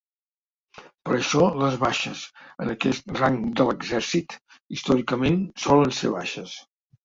Per això les baixes en aquest rang de l’exèrcit, històricament, solen ser baixes.